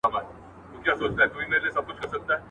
• اسان ئې نالول، چنگښو هم پښې پورته کړې.